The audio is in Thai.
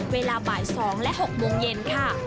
เวลาบ่าย๒และ๖โมงเย็นค่ะ